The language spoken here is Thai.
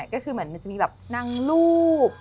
ก็คือเหมือนมันจะมีแบบนางรูป